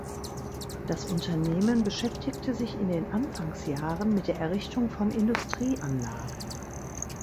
Das Unternehmen beschäftigte sich in den Anfangsjahren mit der Errichtung von Industrieanlagen.